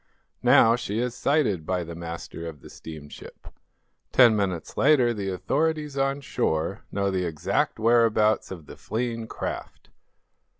Now, she is sighted by the master of the steamship. Ten minutes later the authorities on shore know the exact whereabouts of the fleeing craft.